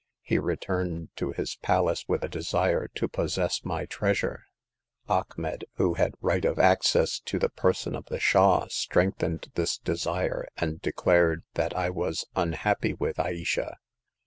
He returned to his palace with a desire to possess my treasure. Achmet, who had right of access to the person of the Shah, strengthened this desire, and declared that I was unhappy with Ayesha.